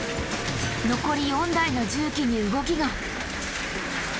残り４台の重機に動きが！